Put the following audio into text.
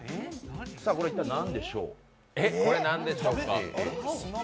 これは一体何でしょう。